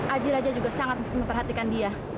aji raja juga sangat memperhatikan dia